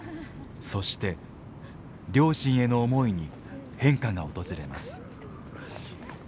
そして両親への思いに変化が訪れます。